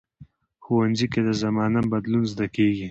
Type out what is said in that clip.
ښوونځی کې د زمانه بدلون زده کېږي